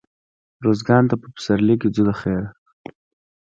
روزګان ته په پسرلي کښي ځو دخيره.